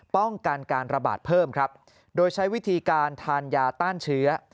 ป้องกันการระบาดเพิ่มครับโดยใช้วิธีการทานยาต้านเชื้อ